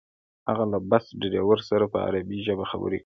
هغه له بس ډریور سره په عربي ژبه خبرې کولې.